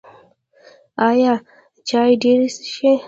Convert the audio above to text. ایا چای ډیر څښئ؟